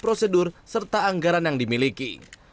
prosedur serta anggaran yang dimiliki